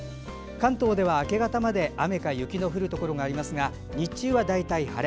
関東では明け方まで雨か雪の降るところがありますが日中は大体晴れ。